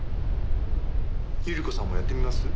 百合子さんもやってみます？